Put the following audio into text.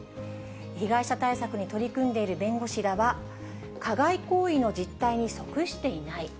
被害者対策に取り組んでいる弁護士らは、加害行為の実態に即していない。